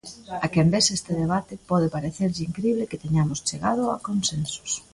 A quen vexa este debate pode parecerlle incrible que teñamos chegado a consensos.